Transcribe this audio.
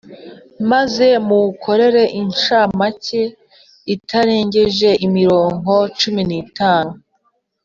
maze muwukorere inshamake itarengeje imirongo cumi n’itanu.